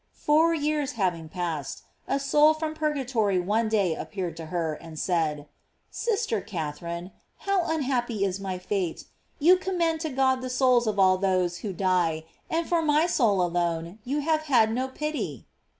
Four years having past, a soul from purgatory one day appeared to her, and said, "Sister Catherine, how unhappy is my fate! you commend to God the souls of all those who die, and for my soul alone you have had no pity."